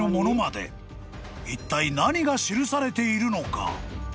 ［いったい何が記されているのか？］